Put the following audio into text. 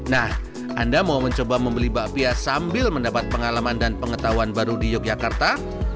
nah anda mau mencoba membeli bakpia sambil mendapat pengalaman dan pengetahuan baru di yogyakarta